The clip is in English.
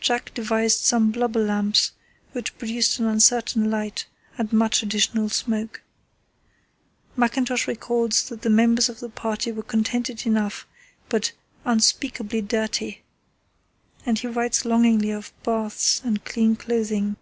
Jack devised some blubber lamps, which produced an uncertain light and much additional smoke. Mackintosh records that the members of the party were contented enough but "unspeakably dirty," and he writes longingly of baths and clean clothing.